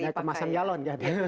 tidak ada kemasan jalon